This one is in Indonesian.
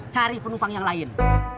cari penumpang yang lain